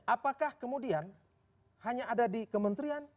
apakah kemudian hanya ada di kementerian